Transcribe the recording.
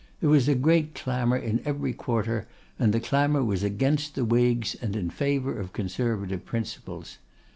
There was a great clamour in every quarter, and the clamour was against the Whigs and in favour of Conservative principles.